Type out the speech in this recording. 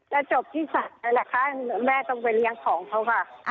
แล้วจบที่ศาลนั่นแหละค่ะแม่ต้องไปเลี้ยงของเขาค่ะ